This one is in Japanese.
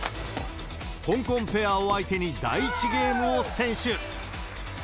香港ペアを相手に第１ゲームを先取。